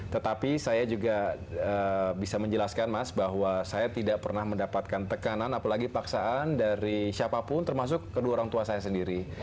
tetapi saya juga bisa menjelaskan mas bahwa saya tidak pernah mendapatkan tekanan apalagi paksaan dari siapapun termasuk kedua orang tua saya sendiri